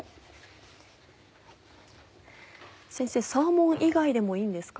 先生サーモン以外でもいいんですか？